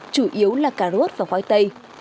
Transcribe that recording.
chủ yếu là cà rốt và khoai tây